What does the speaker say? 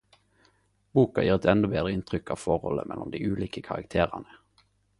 Boka gir eit endå betre inntrykk av forholdet mellom dei ulike karakterane.